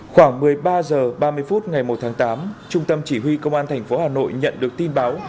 khoảng một mươi ba h ba mươi phút ngày một tháng tám trung tâm chỉ huy công an thành phố hà nội nhận được tin báo